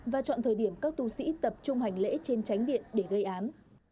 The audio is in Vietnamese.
và chọn thời điểm các tu sĩ tập trung hành lễ trên tránh điện để gây án